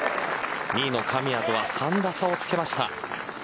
２位の神谷とは３打差をつけました。